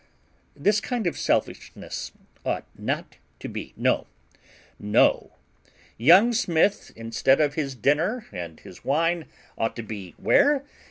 This kind of selfishness ought not to be. No, no. Young Smith, instead of his dinner and his wine, ought to be, where?